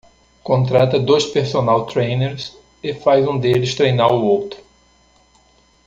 Contrata dois personal trainers e faz um deles treinar o outro.